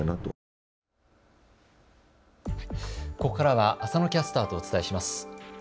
ここからは浅野キャスターとお伝えします。